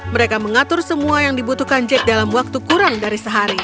mereka mengatur semua yang dibutuhkan jack dalam waktu kurang dari sehari